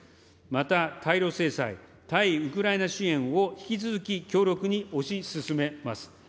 また対ロ制裁、対ウクライナ支援を引き続き強力に推し進めます。